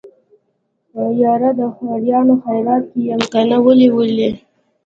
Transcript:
يره د خوريانو خيرات کې يم کنه ولې ولې.